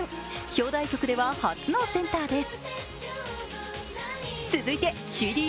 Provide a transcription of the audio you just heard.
表題曲では初のセンターです。